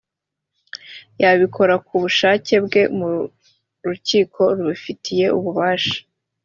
yabikora ku bushake bwe mu rukiko rubifitiye ububasha